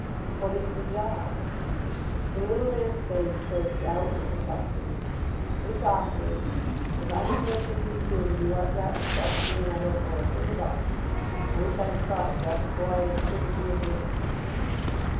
"What is the job?" The little man's face showed doubt and perplexity. "It's awkward. If I'm to make the thing clear to you I've got to trust you. And I don't know a thing about you. I wish I had thought of that before I inserted the advertisement."